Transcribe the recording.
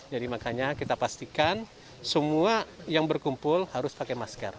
jadi makanya kita pastikan semua yang berkumpul harus pakai masker